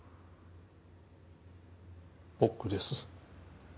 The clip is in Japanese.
僕です。